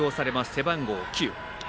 背番号９。